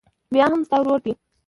بيا هم ستا ورور دى.